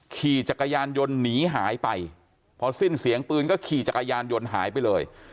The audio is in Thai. ขี่จักรยานยนต์หนีหายไปพอสิ้นเสียงปืนก็ขี่จักรยานยนต์หายไปเลย